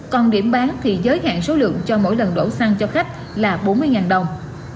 còn điểm bán thì giới hạn số lượng cho mỗi lần đổ xăng cho khách là bốn mươi đồng